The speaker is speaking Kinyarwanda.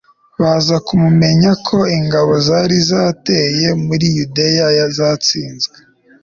baza kumumenyesha ko ingabo zari zateye muri yudeya zatsinzwe